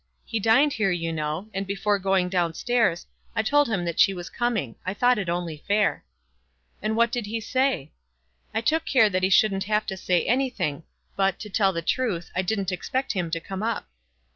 He dined here, you know, and, before going down stairs, I told him that she was coming. I thought it only fair." "And what did he say?" "I took care that he shouldn't have to say anything; but, to tell the truth, I didn't expect him to come up."